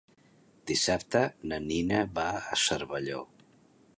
Dissabte na Nina va a Cervelló.